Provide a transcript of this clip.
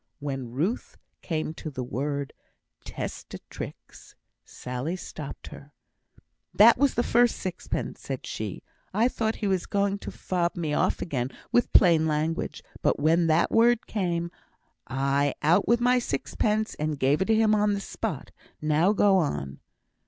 When Ruth came to the word "testatrix," Sally stopped her. "That was the first sixpence," said she. "I thowt he was going to fob me off again wi' plain language; but when that word came, I out wi' my sixpence, and gave it to him on the spot. Now go on."